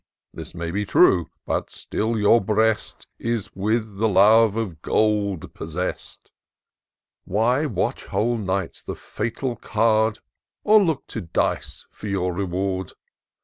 This may be true — ^but stiU your breast Is with the love of gold possest. Why watch whole nights the fatal card, Or look to dice for your reward